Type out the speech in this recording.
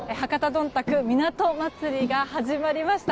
どんたく港まつりが始まりました。